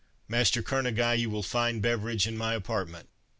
Master Kerneguy, you will find beverage in my apartment."